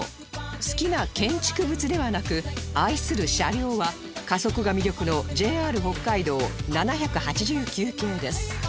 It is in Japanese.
好きな建築物ではなく愛する車両は加速が魅力の ＪＲ 北海道７８９系です